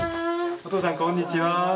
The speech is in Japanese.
おとうさんこんにちは。